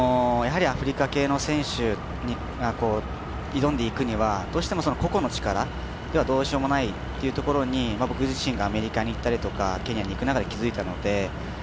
やはりアフリカ系の選手に挑んでいくにはどうしても、個々の力ではどうしようもないというのが僕自身がアメリカに行ったりケニアに行く中で気付いたので。